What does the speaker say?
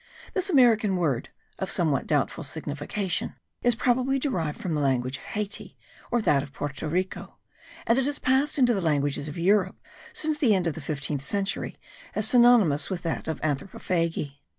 This American word, of somewhat doubtful signification, is probably derived from the language of Hayti, or that of Porto Rico; and it has passed into the languages of Europe, since the end of the fifteenth century, as synonymous with that of anthropophagi.